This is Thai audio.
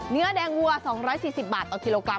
เนื้อแดงวัว๒๔๐บาทต่อกิโลกรั